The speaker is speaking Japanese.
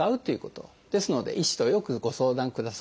ですので医師とよくご相談ください。